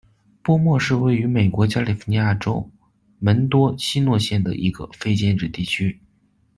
波莫是位于美国加利福尼亚州门多西诺县的一个非建制地区。